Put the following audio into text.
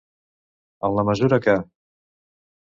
En la mesura que.